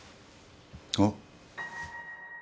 あっ。